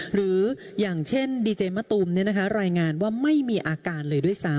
หรืออย่างเช่นดีเจมะตูมรายงานว่าไม่มีอาการเลยด้วยซ้ำ